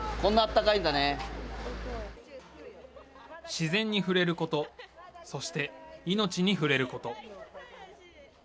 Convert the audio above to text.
自然に触れること、そして命に触れること。